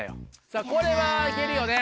さぁこれはいけるよね。